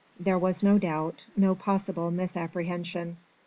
There was no doubt, no possible misapprehension.